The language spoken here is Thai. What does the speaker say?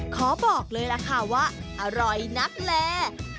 ขอบอกเลยล่ะค่ะว่าอร่อยนักแล